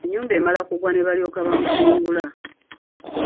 Ennyumba emala kuggwa ne balyoka bamusengula.